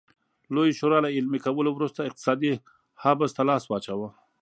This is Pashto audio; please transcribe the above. لویې شورا له عملي کولو وروسته اقتصادي حبس ته لاس واچاوه.